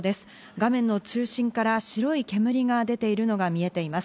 画面の中心から白い煙が出ているのが見えています。